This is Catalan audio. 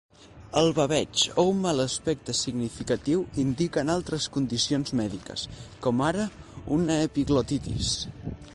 El baveig o un mal aspecte significatiu indiquen altres condicions mèdiques, com ara una epiglotitis.